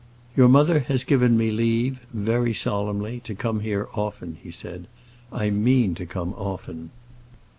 "Your mother has given me leave—very solemnly—to come here often," he said. "I mean to come often."